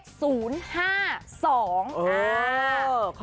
อั๊ขอบคุณมากเลยนะ